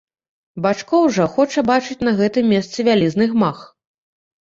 Бачкоў жа хоча бачыць на гэтым месцы вялізны гмах.